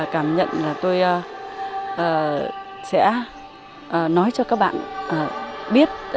cảm nhận là tôi sẽ nói cho các bạn biết